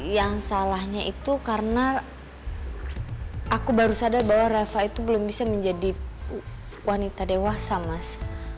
yang salahnya itu karena aku baru sadar bahwa rafa itu belum bisa menjadi wanita dewasa mas